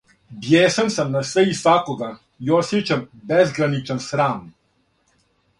Бијесан сам на све и свакога и осјећам безграничан срам.